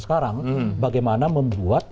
sekarang bagaimana membuat